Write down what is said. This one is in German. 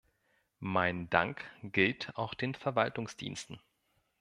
Mein Dank gilt auch den Verwaltungsdiensten.